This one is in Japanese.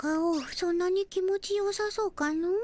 そんなに気持ちよさそうかの？